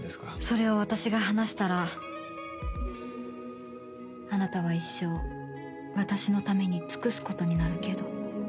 それを私が話したらあなたは一生私のために尽くす事になるけど？